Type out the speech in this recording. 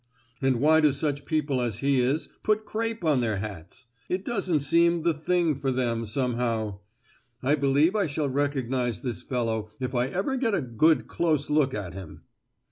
And why do such people as he is put crape on their hats? it doesn't seem 'the thing' for them, somehow! I believe I shall recognise this fellow if I ever get a good close look at him!"